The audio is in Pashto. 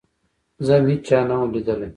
زه هم هېچا نه وم ليدلى.